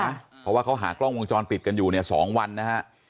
เพราะว่าเขาหากล้องวงจรปิดกันอยู่เนี่ย๒วันนะฮะ